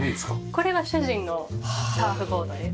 これは主人のサーフボードです。